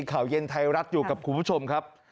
ข่าวเย็นไทยรัฐอยู่กับคุณผู้ชมครับ